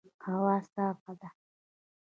هوا صافه ده